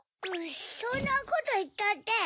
そんなこといったって。